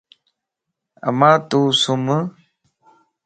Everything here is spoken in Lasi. امان تون سم